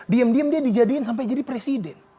diam diem dia dijadiin sampai jadi presiden